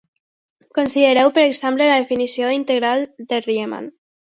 Considereu, per exemple, la definició de la integral de Riemann.